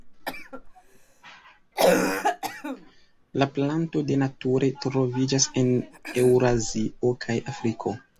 La planto de nature troviĝas en Eŭrazio kaj Afriko.